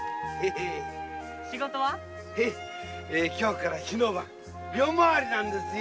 今日から火の番夜回りなんですよ。